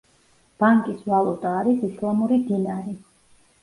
ბანკის ვალუტა არის ისლამური დინარი.